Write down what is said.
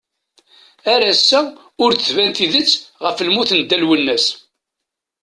Ar ass-a ur d-tban tidett ɣef lmut n Dda Lwennas.